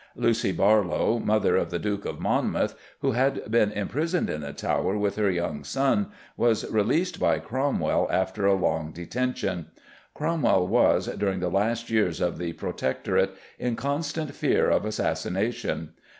Lucy Barlow, mother of the Duke of Monmouth, who had been imprisoned in the Tower with her young son, was released by Cromwell after a long detention. Cromwell was, during the last years of the Protectorate, in constant fear of assassination.